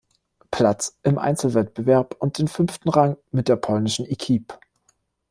Platz im Einzelwettbewerb und den fünften Rang mit der polnischen Equipe.